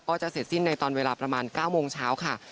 ก็จะเสร็จสิ้นในตอนเวลาประมาณ๙โมงเช้าค่ะ